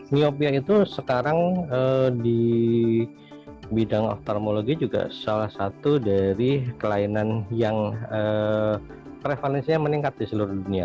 miopia itu sekarang di bidang ophtarmologi juga salah satu dari kelainan yang prevalensinya meningkat di seluruh dunia